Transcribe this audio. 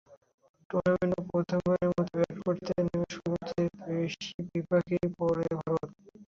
টুর্নামেন্টে প্রথমবারের মতো ব্যাট করতে নেমে শুরুতে বেশ বিপাকেই পড়ে ভারত।